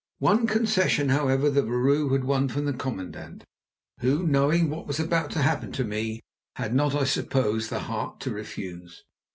One concession, however, the vrouw had won from the commandant, who, knowing what was about to happen to me, had not, I suppose, the heart to refuse.